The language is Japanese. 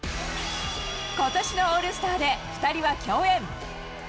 ことしのオールスターで、２人は共演。